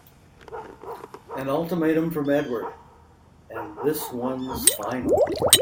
An ultimatum from Edward and this one's final!